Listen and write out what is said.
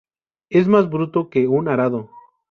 Es más bruto que un arado